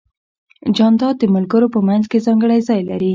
جانداد د ملګرو په منځ کې ځانګړی ځای لري.